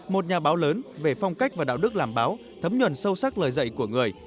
một nhà báo lớn về phong cách và đạo đức làm báo thấm nhuần sâu sắc lời dạy của người